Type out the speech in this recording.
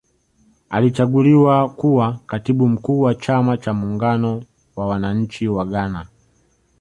Alichaguliwa kuwa katibu mkuu wa chama cha muungano wa wananchi wa Ghana